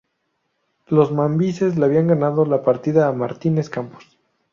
Los mambises le habían ganado la partida a Martínez Campos.